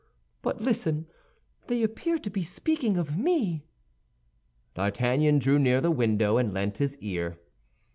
But listen; they appear to be speaking of me." D'Artagnan drew near the window, and lent his ear.